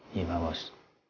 iya pak bos